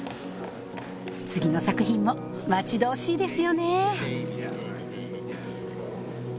次の作品も待ち遠しいですよね！